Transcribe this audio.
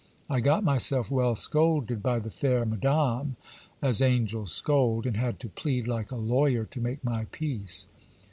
I got myself well scolded by the fair madame (as angels scold), and had to plead like a lawyer to make my peace.